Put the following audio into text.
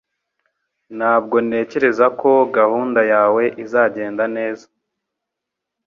Ntabwo ntekereza ko gahunda yawe izagenda neza